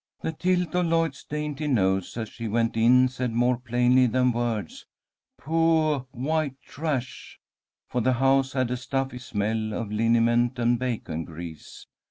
The tilt of Lloyd's dainty nose, as she went in, said more plainly than words, "Poah white trash!" For the house had a stuffy smell of liniment and bacon grease.